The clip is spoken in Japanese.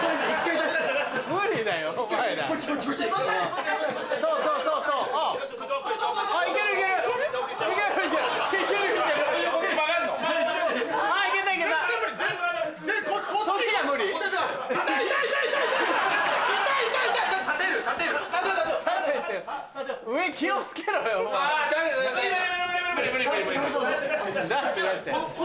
出して出して。